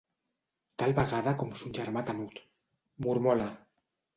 Tal vegada com son germà Canut, mormola.